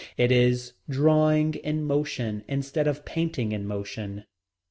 It is drawing in motion, instead of painting in motion.